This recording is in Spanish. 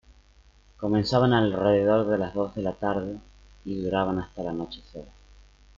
Comenzaban alrededor de las dos de la tarde y duraban hasta el anochecer.